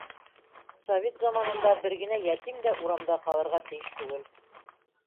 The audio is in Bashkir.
Совет заманында бер генә йәтим дә урамда ҡалырға тейеш түгел.